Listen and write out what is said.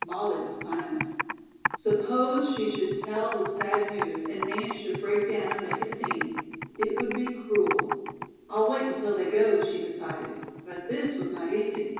Molly was silent. Suppose she should tell the sad news and Nance should break down and make a scene. It would be cruel. "I'll wait until they go," she decided. But this was not easy.